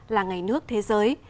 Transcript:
là ngày nước thế giới